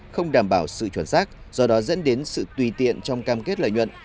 không đảm bảo sự chuẩn xác do đó dẫn đến sự tùy tiện trong cam kết lợi nhuận